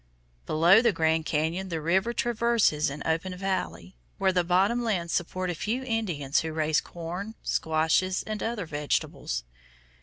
Below the Grand Cañon the river traverses an open valley, where the bottom lands support a few Indians who raise corn, squashes, and other vegetables.